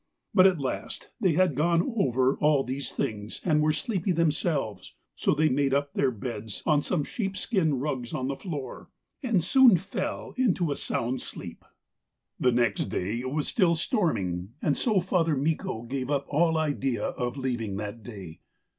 But at last they had gone over all these things and were sleepy themselves, so they made up their beds on some sheep skin rugs on the floor, and soon fell into a sound sleep. The next day it was still storming, and so Father Mikko gave up all idea of leaving that day.